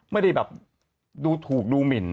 ไม่ได้แบบดูถูกดูหมิน